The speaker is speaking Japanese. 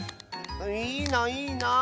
いいないいなあ。